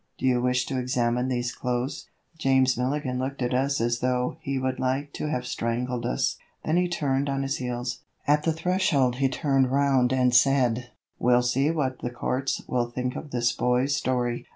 Do you wish to examine these clothes?" James Milligan looked at us as though he would liked to have strangled us, then he turned on his heels. At the threshold he turned round and said: "We'll see what the courts will think of this boy's story."